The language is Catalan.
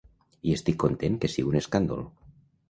I estic content que sigui un escàndol.